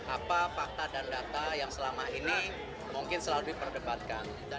apa fakta dan data yang selama ini mungkin selalu diperdebatkan